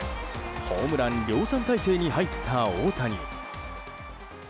ホームラン量産態勢に入った大谷。